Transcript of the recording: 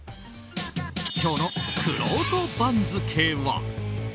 今日のくろうと番付は。